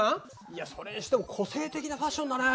いやそれにしても個性的なファッションだね。